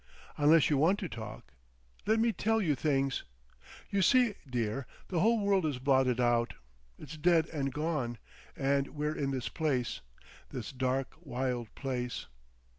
Unless you want to talk.... Let me tell you things! You see, dear, the whole world is blotted out—it's dead and gone, and we're in this place. This dark wild place....